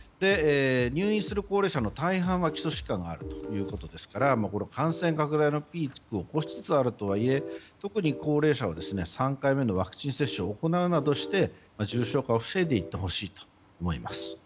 入院する高齢者の大半は基礎疾患があるということなので感染拡大のピークを越しつつあるとはいえ特に高齢者は３回目のワクチン接種を行うなどして重症化を防いでいってほしいと思います。